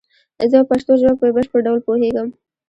زه په پشتو ژبه په بشپړ ډول پوهیږم